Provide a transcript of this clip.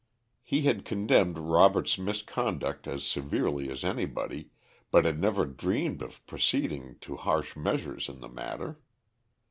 He had condemned Robert's misconduct as severely as anybody, but had never dreamed of proceeding to harsh measures in the matter.